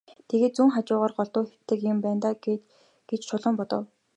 Тэгээд зүүн хажуугаараа голдуу хэвтдэг юм байна даа гэж Чулуун бодов.